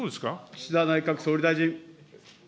岸田内閣総理大臣。